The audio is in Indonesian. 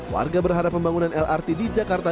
warga berharap pembangunan lrt di jakarta